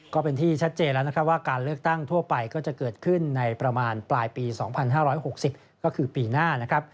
ก็เป็นที่ชัดเจนแล้วนะครับว่าการเลือกตั้งทั่วไปก็จะเกิดขึ้นในประมาณปลายปี๒๕๖๐ก็คือปีหน้านะครับ